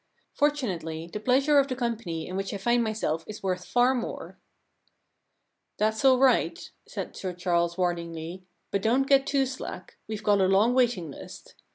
Fortunately, the pleasure of the company 10 The Giraffe Problem in which I find myself is worth far more.' * That's all right/ said Sir Charles warn ingly, * but don't get too slack. WeVe got a long waiting list.